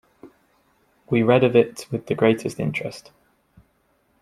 We read of it with the greatest interest.